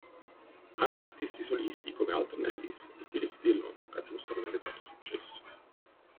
Anche artisti solisti come Alton Ellis e Phyllis Dillon raggiunsero un elevato successo.